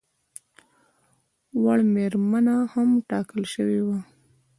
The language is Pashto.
وړ مېرمنه هم ټاکل شوې وه.